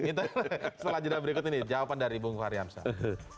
kita setelah jeda berikut ini jawaban dari bung fahri hamzah